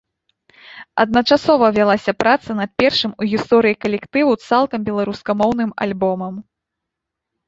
Адначасова вялася праца над першым у гісторыі калектыву цалкам беларускамоўным альбомам.